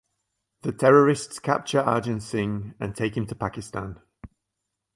The terrorists capture Arjun Singh and take him to Pakistan.